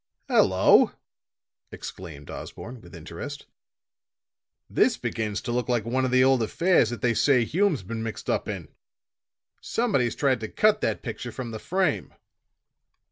"Hello!" exclaimed Osborne, with interest. "This begins to look like one of the old affairs that they say Hume's been mixed up in. Somebody's tried to cut that picture from the frame."